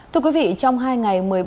thưa quý vị trong hai ngày